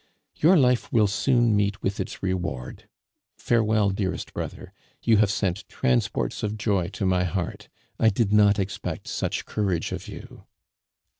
Your life will soon meet with its reward. Farewell, dearest brother; you have sent transports of joy to my heart. I did not expect such courage of you.